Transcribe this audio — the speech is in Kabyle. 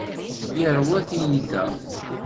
Yerwa tiyita.